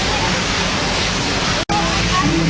สุดท้ายสุดท้ายสุดท้าย